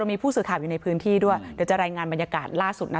มีผู้สื่อข่าวอยู่ในพื้นที่ด้วยเดี๋ยวจะรายงานบรรยากาศล่าสุดนะ